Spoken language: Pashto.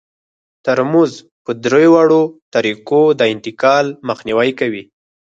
ترموز په درې واړو طریقو د انتقال مخنیوی کوي.